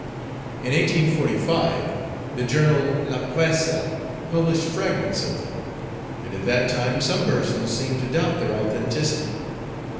In 1845, the journal 'La Presse' published fragments of them; and at that time some persons seemed to doubt their authenticity.